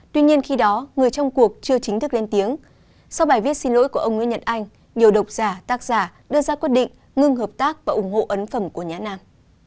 tuy nhiên khi đó người trong cuộc chưa chính thức lên tiếng sau bài viết xin lỗi của ông nguyễn nhật anh nhiều độc giả tác giả đưa ra quyết định ngưng hợp tác và ủng hộ ấn phẩm của nhãn nam